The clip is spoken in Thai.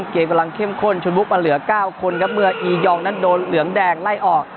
เกมกำลังเข้มข้นชนลุกมาเหลือ๙คนครับเมื่ออียองนั้นโดนเหลืองแดงไล่ออก